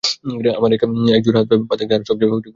আমার এক জোড়া হাত, পা থাকতে, আর সবচেয়ে গুরুত্বপূর্ণ, মস্তিষ্ক।